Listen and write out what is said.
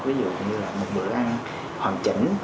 ví dụ như là một bữa ăn hoàn chỉnh